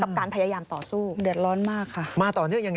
กับการพยายามต่อสู้